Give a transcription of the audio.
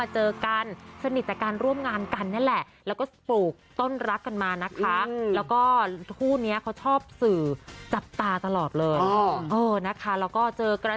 ได้แต่งงานเรียบร้อยนะจ๊ะ